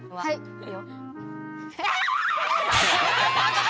いいよ。